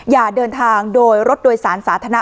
อย่าเดินทางโดยรถโดยสารสาธารณะ